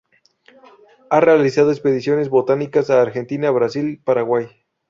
Ha realizado expediciones botánicas a Argentina, Brasil, Paraguay.